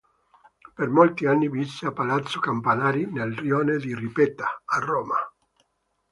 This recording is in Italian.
Per molti anni visse a Palazzo Campanari nel Rione di Ripetta, a Roma.